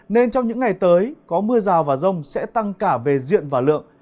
nên trong những ngày tới có mưa rào và rông sẽ tăng cả về diện và lượng